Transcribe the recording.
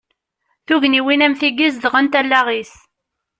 Tugniwin am tigi, zedɣent allaɣ-is.